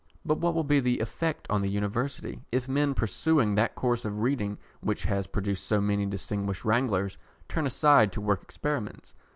But what will be the effect on the University, if men Pursuing that course of reading which has produced so many distinguished Wranglers, turn aside to work experiments?